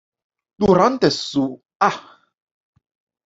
Durante su a